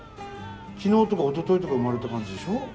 昨日とかおとといとか生まれた感じでしょ？